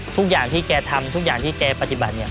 ทุกอย่างที่แกทำทุกอย่างที่แกปฏิบัติเนี่ย